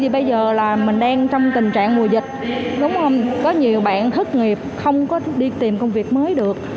bây giờ là mình đang trong tình trạng mùa dịch đúng không có nhiều bạn thất nghiệp không có đi tìm công việc mới được